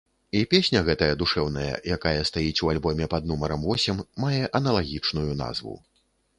І песня гэтая душэўная, якая стаіць у альбоме пад нумарам восем, мае аналагічную назву.